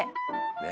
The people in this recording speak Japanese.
「ねえ」